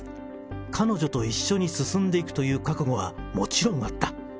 彼女と一緒に進んでいくという覚悟はもちろんあった。